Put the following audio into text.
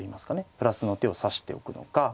プラスの手を指しておくのか。